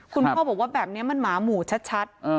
คุณพ่อบอกว่าแบบนี้มันหมาหมู่ชัด